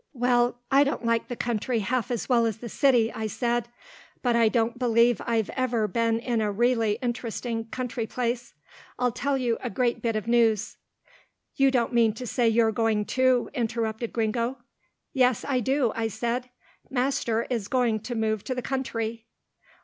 "Well, I don't like the country half as well as the city," I said, "but I don't believe I've ever been in a really interesting country place I'll tell you a great bit of news." "You don't mean to say you're going, too," interrupted Gringo. "Yes I do," I said, "master is going to move to the country."